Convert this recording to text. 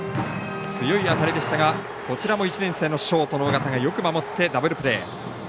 強い当たりでしたが、こちらも１年生のショートの緒方がよく守ってダブルプレー。